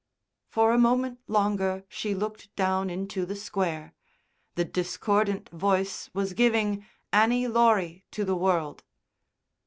For a moment longer she looked down into the Square. The discordant voice was giving "Annie Laurie" to the world.